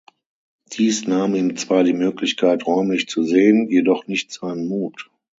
Dies nahm ihm zwar die Möglichkeit, räumlich zu sehen, jedoch nicht seinen Mut.